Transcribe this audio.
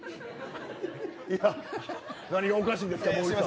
いや、何がおかしいんですか。